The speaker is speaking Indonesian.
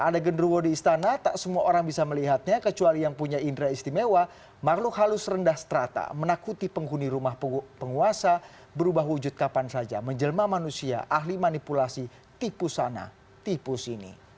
ada genruwo di istana tak semua orang bisa melihatnya kecuali yang punya indera istimewa makhluk halus rendah strata menakuti penghuni rumah penguasa berubah wujud kapan saja menjelma manusia ahli manipulasi tipu sana tipu sini